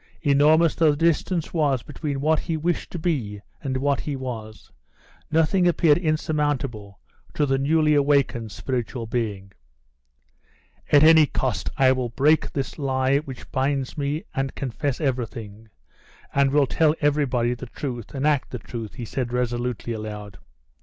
Enormous though the distance was between what he wished to be and what he was, nothing appeared insurmountable to the newly awakened spiritual being. "At any cost I will break this lie which binds me and confess everything, and will tell everybody the truth, and act the truth," he said resolutely, aloud.